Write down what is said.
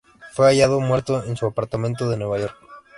Fue hallado muerto en su apartamento de Nueva York.